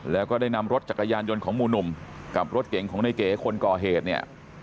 แล้วก็ได้นำรถจักรยานยนต์ของหมู่หนุ่มกับรถเก๋งของในเก๋คนก่อเหตุเนี่ย